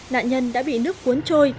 nạn nhân đã bị nước cuốn trôi